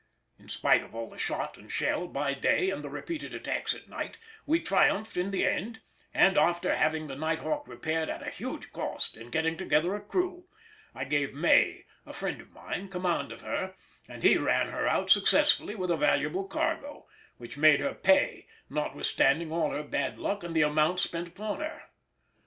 In spite of all the shot and shell by day and the repeated attacks at night, we triumphed in the end, and, after having the Night Hawk repaired at a huge cost and getting together a crew, I gave May, a friend of mine, command of her, and he ran her out successfully with a valuable cargo, which made her pay, notwithstanding all her bad luck and the amount spent upon her.